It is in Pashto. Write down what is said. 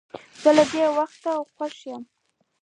زه له دې وخت خوښ یم.